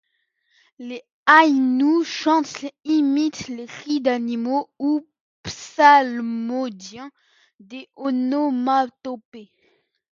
Les Aïnous chantent, imitent des cris d’animaux ou psalmodient des onomatopées.